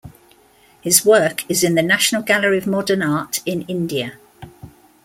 His work is in the National Gallery of Modern Art in India.